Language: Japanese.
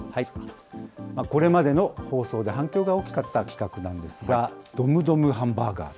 これまでの放送で反響が大きかった企画なんですが、ドムドムハンバーガー。